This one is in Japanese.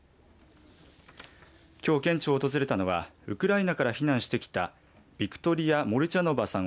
きょう県庁を訪れたのはウクライナから避難してきたビクトリア・モルチャノヴァさん